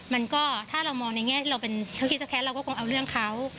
มันก็ถ้าเรามองในแง่เราเป็นเขาคิดจะแค้นเราก็คงเอาเรื่องเขา